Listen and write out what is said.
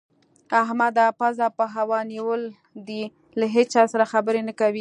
احمد پزه په هوا نيول ده؛ له هيچا سره خبرې نه کوي.